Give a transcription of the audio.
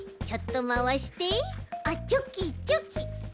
ちょっとまわしてあっちょきちょき。